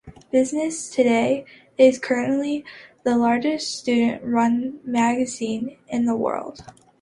"Business Today" is currently the largest student-run magazine in the world.